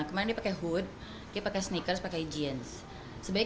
suit kaos pakai sneakers fine gak apa apa